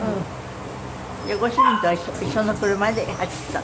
じゃあご主人とは一緒の車で走ったの？